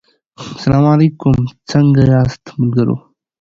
سلا علیکم څنګه یاست ملګرو